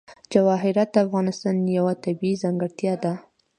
جواهرات د افغانستان یوه طبیعي ځانګړتیا ده.